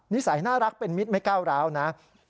สัยน่ารักเป็นมิตรไม่ก้าวร้าวนะ